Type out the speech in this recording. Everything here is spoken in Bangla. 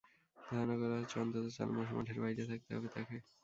ধারণা করা হচ্ছে, অন্তত চার মাস মাঠের বাইরে থাকতে হবে তাঁকে।